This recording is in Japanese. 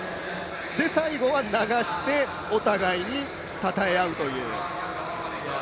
で、最後は流してお互いにたたえ合うという。